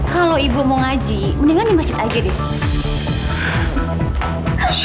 kalau ibu mau ngaji mendingan di masjid aja deh